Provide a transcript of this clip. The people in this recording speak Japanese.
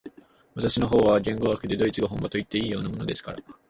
私の方は言語学でドイツが本場といっていいようなものですから、